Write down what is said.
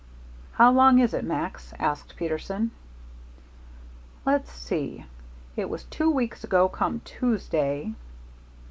"How long is it, Max?" asked Peterson. "Let's see. It was two weeks ago come Tuesday."